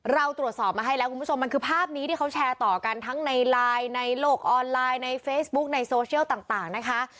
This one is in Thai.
เราตรวจสอบมาให้แล้วคุณผู้ชมมันคือภาพนี้ที่เขาแชร์ต่อกันทั้งในไลน์ในโลกออนไลน์ในเฟซบุ๊กในโซเชียลต่างนะคะ